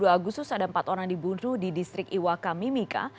dua puluh agustus ada empat orang dibunuh di distrik iwaka mimika